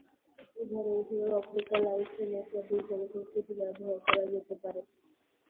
উদাহরণস্বরূপ, optical isolator design করতে এটি ব্যবহার করা যেতে পারে।